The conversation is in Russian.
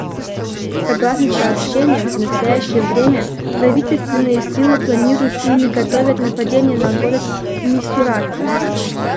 Согласно сообщениям, в настоящее время правительственные силы планируют или готовят нападения на город Мисурата.